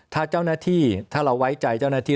ถ้าเจ้าหน้าที่ถ้าเราไว้ใจเจ้าหน้าที่